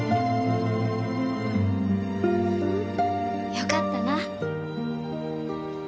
よかったな。